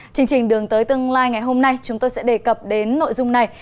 chương trình đường tới tương lai ngày hôm nay chúng tôi sẽ đề cập đến nội dung này